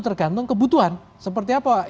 tergantung kebutuhan seperti apa